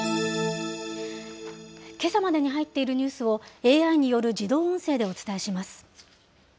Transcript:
けさまでに入っているニュースを、ＡＩによる自動音声でお伝えします。